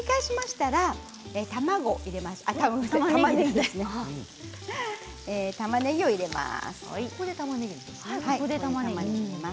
たまねぎを入れます。